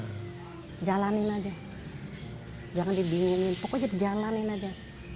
kita jalanin aja jangan dibingungin pokoknya jalanin aja